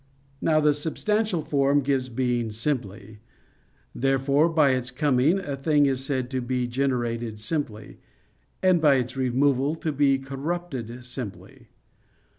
Now the substantial form gives being simply; therefore by its coming a thing is said to be generated simply; and by its removal to be corrupted simply.